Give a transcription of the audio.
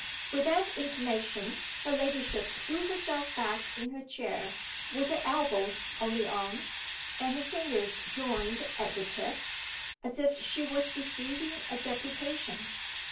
With that intimation her ladyship threw herself back in her chair, with her elbows on the arms, and her fingers joined at the tips, as if she was receiving a deputation.